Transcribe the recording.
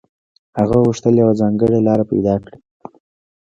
هغه غوښتل يوه ځانګړې لاره پيدا کړي.